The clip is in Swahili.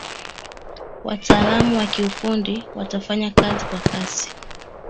Wataalamu wa kiufundi watafanya kazi kwa kasi